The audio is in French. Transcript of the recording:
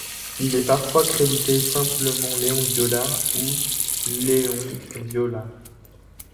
Il est parfois crédité simplement Leonviola ou Leon Viola.